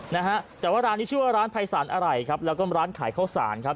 นะฮะแต่ว่าร้านนี้ชื่อว่าร้านภัยสารอะไรครับแล้วก็ร้านขายข้าวสารครับ